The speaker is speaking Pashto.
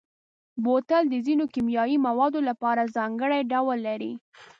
بوتل د ځینو کیمیاوي موادو لپاره ځانګړی ډول لري.